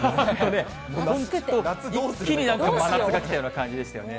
一気に真夏が来たような感じでしたよね。